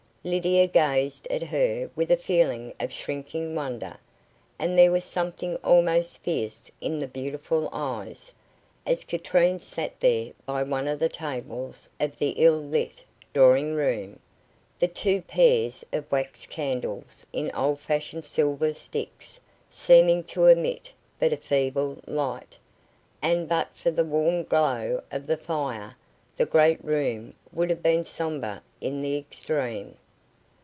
Lydia gazed at her with a feeling of shrinking wonder, and there was something almost fierce in the beautiful eyes, as Katrine sat there by one of the tables of the ill lit drawing room, the two pairs of wax candles in old fashioned silver sticks seeming to emit but a feeble light, and but for the warm glow of the fire, the great room would have been sombre in the extreme.